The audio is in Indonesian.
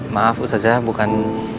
maaf ustazah bukan